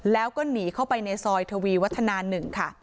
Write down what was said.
แล้วก็หนีเข้าไปในซอยทวีวัฒนา๑ค่ะ